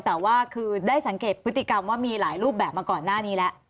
แต่ว่าคือได้สังเกตพฤติกรรมว่ามีหลายรูปแบบมาก่อนหน้านี้แล้ว